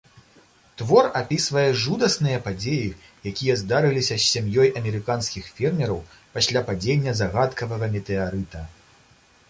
Твор апісвае жудасныя падзеі, якія здарыліся з сям'ёй амерыканскіх фермераў пасля падзення загадкавага метэарыта.